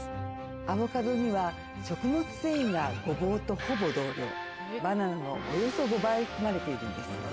アボカドには食物繊維がゴボウとほぼ同量バナナのおよそ５倍含まれているんです。